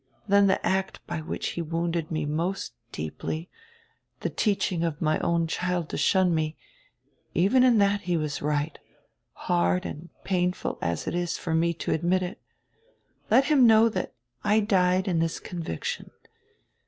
Then the act by which he wounded me most deeply, the teaching of my own child to shun me, even in that he was right, hard and painful as it is for me to admit it. Let him know that I died in this conviction.